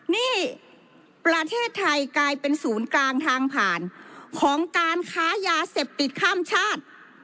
นี่ประเทศไทยกลายเป็นศูนย์กลางทางผ่านของการค้ายาเสพติดข้ามชาติ